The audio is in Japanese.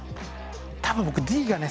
多分僕Ｄがね